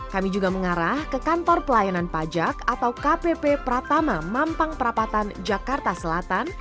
kami juga mengarah ke kantor pelayanan pajak atau kpp pratama mampang perapatan jakarta selatan